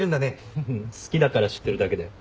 好きだから知ってるだけだよ。